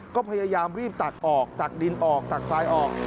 ก็พยายามรีบตักออกตักดินออกตักทรายออก